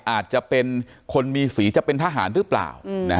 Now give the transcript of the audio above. อาจจะเป็นคนมีสีจะเป็นทหารหรือเปล่า